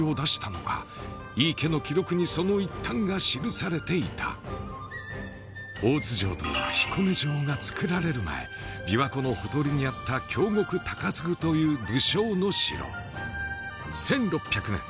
井伊家の記録にその一端が記されていた大津城とは彦根城がつくられる前琵琶湖のほとりにあった京極高次という武将の城１６００年